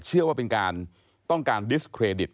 เชื่อว่าเป็นการต้องการดิสเครดิต